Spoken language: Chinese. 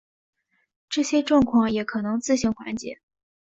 这些状况也可能自行缓解。